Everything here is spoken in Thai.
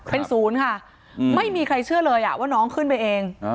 เป็นศูนย์ค่ะไม่มีใครเชื่อเลยว่าน้องขึ้นไปเอง